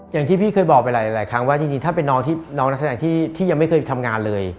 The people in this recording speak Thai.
อย่างที่พี่เคยบอกไปหลายครั้งว่าจริงถ้าเป็นน้องนักแสดงที่ยังไม่เคยทำงานเลย